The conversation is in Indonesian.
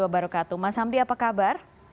waalaikumsalam wr wb mas hamdi apa kabar